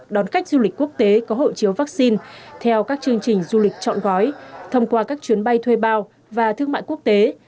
đón khách du lịch quốc tế có hộ chiếu vaccine theo các chương trình du lịch chọn gói thông qua các chuyến bay thuê bao và thương mại quốc tế